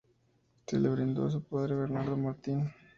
Se lo brindó a su padre Bernardo Martín.